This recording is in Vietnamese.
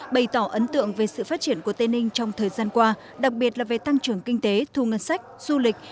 bày tỏ ấn tượng về sự phát triển của tây ninh trong thời gian qua đặc biệt là về tăng trưởng kinh tế thu ngân sách du lịch